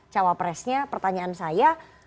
cawapresnya pertanyaan saya